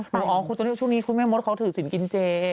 ฝรีออองคุณตอนนี้ช่วงนี้คุณแม่มดเขาถือสิ่งกินเจ